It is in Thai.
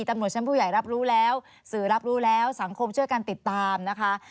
ตำรวจชั้นผู้ใหญ่รับรู้แล้วสื่อรับรู้แล้วสังคมช่วยกันติดตามนะคะ